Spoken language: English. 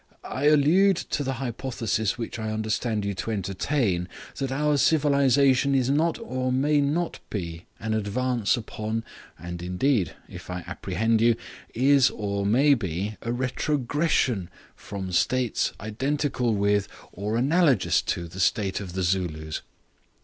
I allude to the hypothesis which I understand you to entertain, that our civilization is not or may not be an advance upon, and indeed (if I apprehend you), is or may be a retrogression from states identical with or analogous to the state of the Zulus.